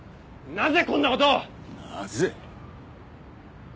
なぜ？